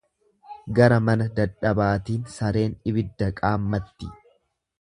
Gara nama dadhabaatiin sareen ibidda qaammatti.